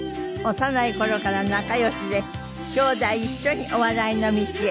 幼い頃から仲良しで兄弟一緒にお笑いの道へ。